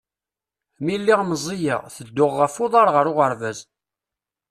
Mi lliɣ meẓẓiyeɣ, tedduɣ ɣef uḍar ɣer uɣerbaz.